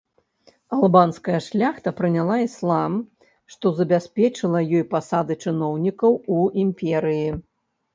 Албанская шляхта прыняла іслам, што забяспечыла ёй пасады чыноўнікаў у імперыі.